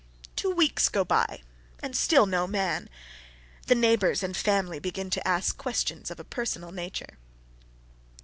Two weeks go by, and still no man. The neighbours and the family begin to ask questions of a personal nature.